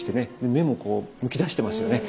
目もむき出してますよね。